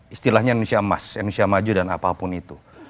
istilahnya indonesia emas indonesia maju dan apapun itu